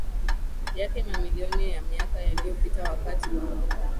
yake Mamilioni ya miaka iliyopita wakati wa